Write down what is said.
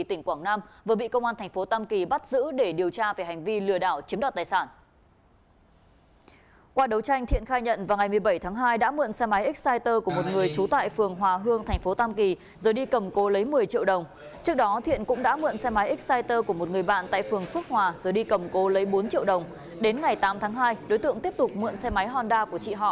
đi cầm cố lấy bốn triệu đồng đến ngày tám tháng hai đối tượng tiếp tục mượn xe máy honda của chị họ